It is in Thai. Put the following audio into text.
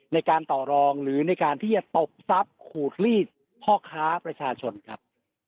ในการต่อรองหรือในการที่จะตบทรัพย์ขูดลีดพ่อค้าประชาชนครับ